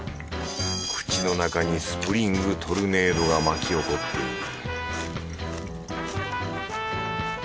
口の中にスプリングトルネードが巻き起こっている